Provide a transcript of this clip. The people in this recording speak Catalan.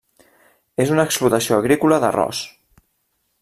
És una explotació agrícola d'arròs.